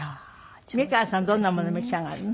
美川さんどんなものを召し上がるの？